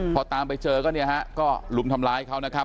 พอตามไปเจอก็หลุมทำร้ายเขานะครับ